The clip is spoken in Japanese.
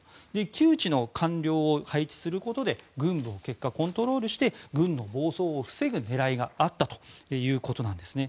旧知の官僚を配置することで軍部を結果コントロールして軍の暴走を防ぐ狙いがあったということなんです。